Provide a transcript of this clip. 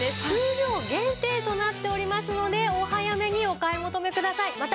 数量限定となっておりますのでお早めにお買い求めください。